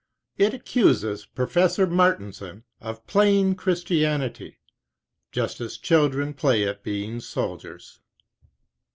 It accuses Professor Martensen of playing 38 Christianity, just as children play at being soldiers.